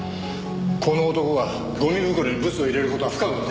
この男がゴミ袋にブツを入れる事は不可能です。